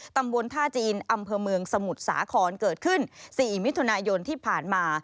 ตำบลท่าจีนอำเภอเมืองสมุทรสาครเกิดขึ้น๔มิถุนายนที่ผ่านมา